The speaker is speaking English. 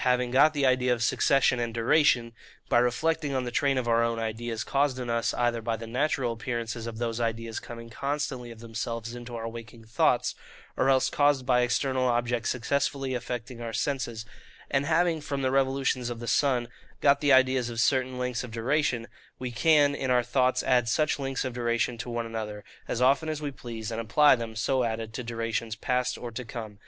having got the idea of succession and duration, by reflecting on the train of our own ideas, caused in us either by the natural appearances of those ideas coming constantly of themselves into our waking thoughts, or else caused by external objects successively affecting our senses; and having from the revolutions of the sun got the ideas of certain lengths of duration,—we can in our thoughts add such lengths of duration to one another, as often as we please, and apply them, so added, to durations past or to come.